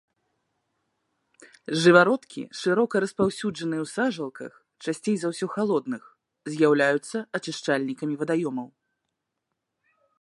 Жывародкі шырока распаўсюджаныя ў сажалках, часцей за ўсё халодных, з'яўляюцца ачышчальнікамі вадаёмаў.